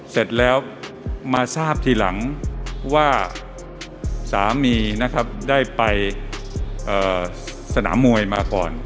เสร็จแล้วมาทราบทีหลังว่าสามีนะครับได้ไปสนามมวยมาก่อน